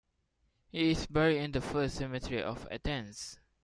He is buried in the First Cemetery of Athens.